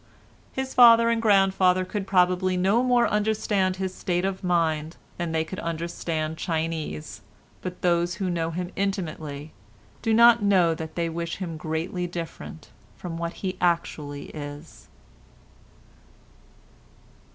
His father and grandfather could probably no more understand his state of mind than they could understand Chinese, but those who know him intimately do not know that they wish him greatly different from what he actually is.